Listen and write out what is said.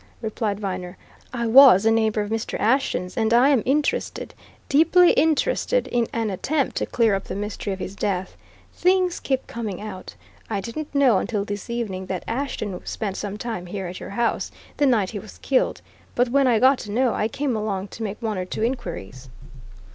replied Viner. "I was a neighbour of Mr. Ashton's, and I am interested deeply interested in an attempt to clear up the mystery of his death. Things keep coming out. I didn't know until this evening that Ashton spent some time here, at your house, the night he was killed. But when I got to know, I came along to make one or two inquiries."